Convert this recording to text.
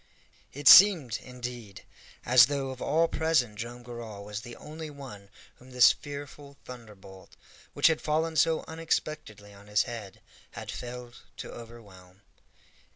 It seemed, indeed, as though of all present Joam Garral was the only one whom this fearful thunderbolt, which had fallen so unexpectedly on his head, had failed to overwhelm.